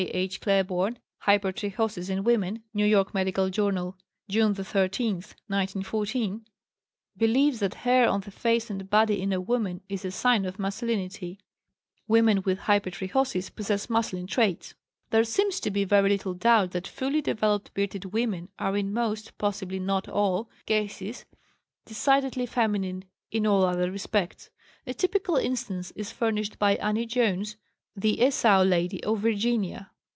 H. Claiborne ("Hypertrichosis in Women," New York Medical Journal, June 13, 1914) believes that hair on the face and body in a woman is a sign of masculinity; "women with hypertrichosis possess masculine traits." There seems to be very little doubt that fully developed "bearded women" are in most, possibly not all, cases decidedly feminine in all other respects. A typical instance is furnished by Annie Jones, the "Esau Lady" of Virginia.